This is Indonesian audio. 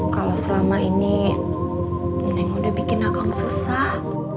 kalau selama ini neng udah bikin akang susah